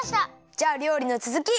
じゃありょうりのつづき！